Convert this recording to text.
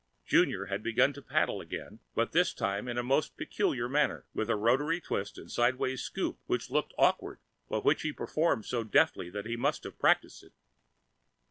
Junior had begun paddling again, but this time in a most peculiar manner with a rotary twist and sidewise scoop which looked awkward, but which he performed so deftly that he must have practiced it.